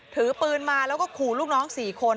ถือปืนมาแล้วก็ขู่ลูกน้อง๔คน